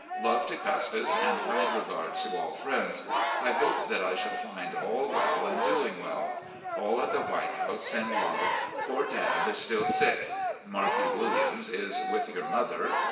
Love to Custis and kind regards to all friends. I hope that I shall find all well and doing well. All at the 'White House' send love. Poor Tabb is still sick. Markie Williams is with your mother.